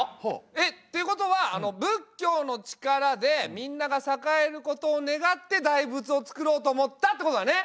えっていうことは仏教の力でみんなが栄えることを願って大仏を造ろうと思ったってことだね？